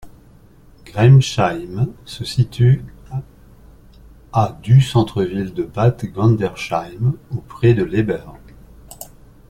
Gremsheim se situe à du centre-ville de Bad Gandersheim, au pied de l'Heber.